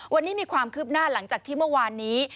วันนี้มีความคืบหน้าหลังจากที่เมื่อวานนี้